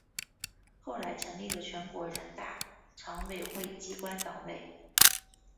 后来成立了全国人大常委会机关党委。